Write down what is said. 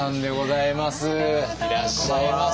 いらっしゃいませ。